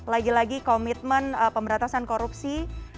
lagi lagi komitmen pemberantasan korupsi